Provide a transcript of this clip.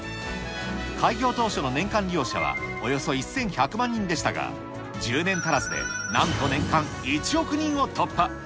開業当初の年間利用者は、およそ１１００万人でしたが、１０年足らずでなんと年間１億人を突破。